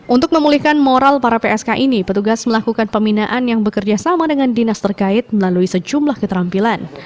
untuk memulihkan moral para psk ini petugas melakukan pembinaan yang bekerja sama dengan dinas terkait melalui sejumlah keterampilan